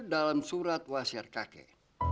dalam surat wasir kakek